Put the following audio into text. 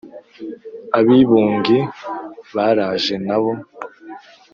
ab’i bunge, ba raje nabo